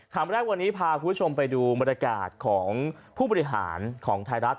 คำแรกวันนี้พาคุณผู้ชมไปดูบรรยากาศของผู้บริหารของไทยรัฐ